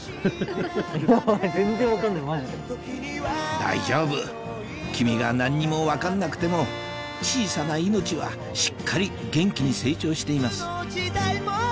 大丈夫君が何にも分かんなくても小さな命はしっかり元気に成長しています